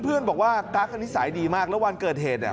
เพื่อนบอกว่ากั๊กก็นิสัยดีมากแล้ววันเกิดเหตุ